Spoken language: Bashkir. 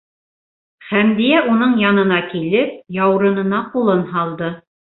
Хәмдиә уның янына килеп, яурынына ҡулын һалды.